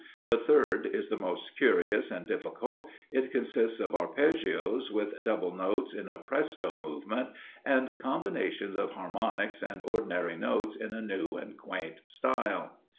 The third is the most curious and difficult; it consists of arpeggios with double notes in a presto movement, and combinations of harmonics and ordinary notes in a new and quaint style.